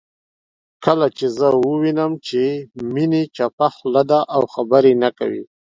کله چې زه ووينم چې میني چپه خوله ده او خبرې نه کوي